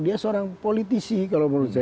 dia seorang politisi kalau menurut saya